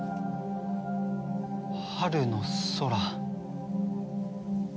春の空。